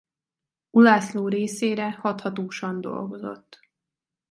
Ulászló részére hathatósan dolgozott.